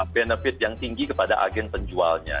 benefit yang tinggi kepada agen penjualnya